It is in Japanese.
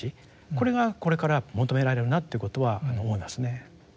これがこれから求められるなということは思いますね。